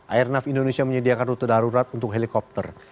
airnav indonesia menyediakan rute darurat untuk helikopter